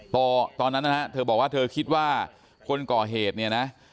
ตอนนั้นนะฮะเธอบอกว่าเธอคิดว่าคนก่อเหตุเนี่ยนะ